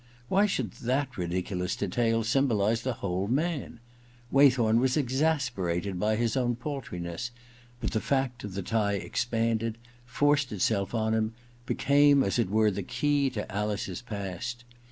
Why should that ridiculous detail symboHze the whole man ? Waythorn was exasperated by his own paltri ness, but the fact of the tie expanded, forced itself on him, became as it were the key to Alice's past.